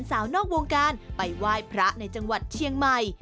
เพื่อได้ฆ่วงแฟนสาวนอกวงการไปไหว้พระในจังหวัดเชียงใหม่